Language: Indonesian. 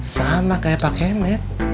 sama kayak pak kemet